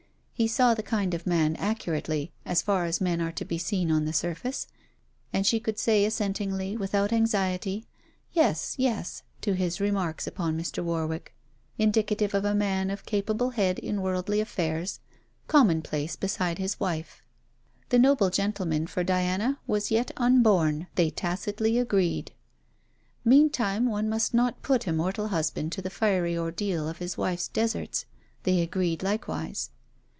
He saw the kind of man accurately, as far as men are to be seen on the surface; and she could say assentingly, without anxiety: 'Yes, yes,' to his remarks upon Mr. Warwick, indicative of a man of capable head in worldly affairs, commonplace beside his wife. The noble gentleman for Diana was yet unborn, they tacitly agreed. Meantime one must not put a mortal husband to the fiery ordeal of his wife's deserts, they agreed likewise.